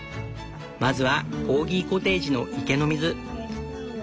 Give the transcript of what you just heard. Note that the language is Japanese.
まずはコーギコテージの池の水。